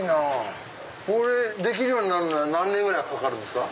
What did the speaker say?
これできるようになるには何年ぐらいかかるんすか？